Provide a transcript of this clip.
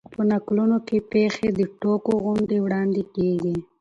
په نکلونو کښي پېښي د ټوګو غوندي وړاندي کېږي.